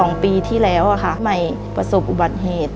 มหาธุปัจจุ